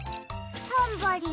タンバリン。